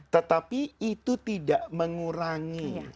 tetapi itu tidak mengurangi